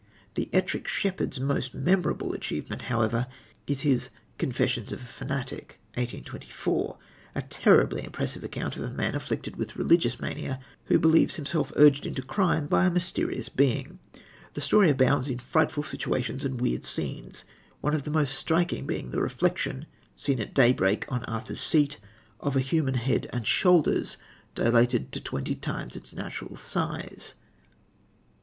The Ettrick Shepherd's most memorable achievement, however, is his Confessions of a Fanatic (1824), a terribly impressive account of a man afflicted with religious mania, who believes himself urged into crime by a mysterious being. The story abounds in frightful situations and weird scenes, one of the most striking being the reflection, seen at daybreak on Arthur's Seat, of a human head and shoulders, dilated to twenty times its natural size.